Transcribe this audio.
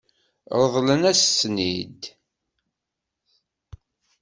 Ṛḍel-asent-ten-id.